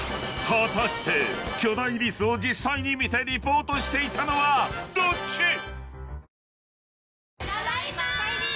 ［果たして巨大リスを実際に見てリポートしていたのはどっち？］